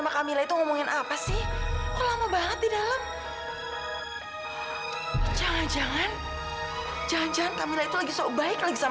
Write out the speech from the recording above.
kalau memang tante mau kamila